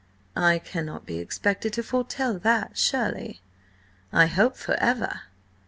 "I cannot be expected to foretell that, surely? I hope, for ever."